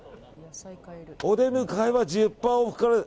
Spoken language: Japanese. お出迎えは１０％オフから。